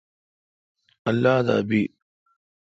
اللہ دا بی۔